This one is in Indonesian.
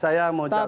saya mau cakap